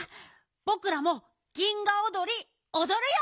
ぼくらも銀河おどりおどるよ！